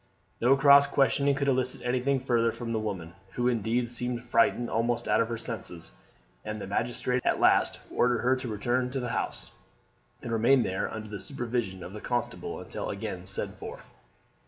No cross questioning could elicit anything further from the woman, who indeed seemed frightened almost out of her senses, and the magistrate at last ordered her to return to the house and remain there under the supervision of the constable until again sent for.